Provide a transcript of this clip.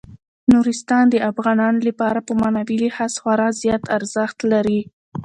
نورستان د افغانانو لپاره په معنوي لحاظ خورا زیات ارزښت لري.